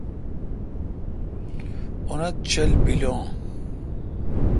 انت چل بیل ان